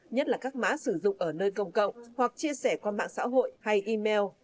nhất là các mã sử dụng ở nơi công cộng hoặc chia sẻ qua mạng xã hội hay email